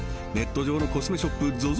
ネット上のコスメショップ